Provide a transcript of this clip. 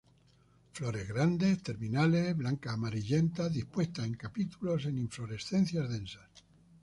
Flores grandes, terminales, blancas amarillentas, dispuestas en capítulos en inflorescencias densas.